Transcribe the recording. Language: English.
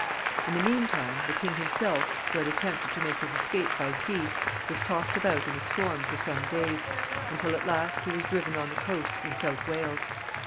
In the mean time, the king himself, who had attempted to make his escape by sea, was tossed about in a storm for some days, until at last he was driven on the coast in South Wales.